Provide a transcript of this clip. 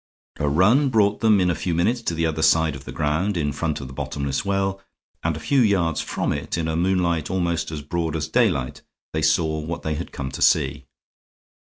A run brought them in a few minutes to the other side of the ground in front of the bottomless well, and a few yards from it, in a moonlight almost as broad as daylight, they saw what they had come to see.